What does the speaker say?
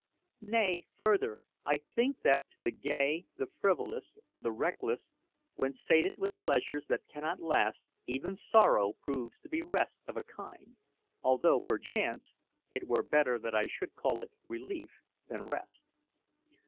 Nay, further, I think that to the gay, the frivolous, the reckless, when sated with pleasures that cannot last, even sorrow proves to be rest of a kind, although, perchance, it were better that I should call it relief than rest.